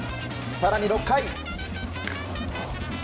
更に６回。